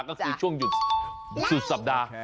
ก็คือช่วงหยุดสุดสัปดาห์